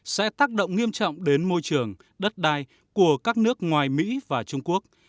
sẽ tác động nghiêm trọng đến môi trường đất đai của các nước ngoài mỹ và trung quốc